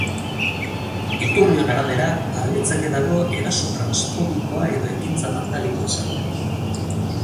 Iturrion arabera, argitzeke dago eraso transfobikoa edo ekintza bandalikoa izan den.